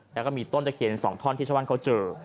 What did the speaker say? แล้วก็มีต้นตะเคียน๒ท่อนที่ชาวบ้านเขาเจอ